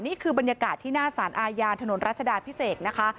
นี่คือบรรยากาศที่หน้าสารอาญาถนนรัชดาพิเศษนะคะ